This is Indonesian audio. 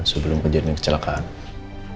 sebelum kejadian kecelakaan